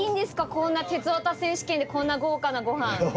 こんな「鉄オタ選手権」でこんな豪華なごはん！